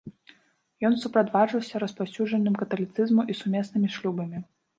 Ён суправаджаўся распаўсюджаннем каталіцызму і сумеснымі шлюбамі.